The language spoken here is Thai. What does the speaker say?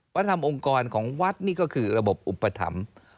พระธรรมองค์กรของวัดนี่ก็คือระบบอุปถัมภ์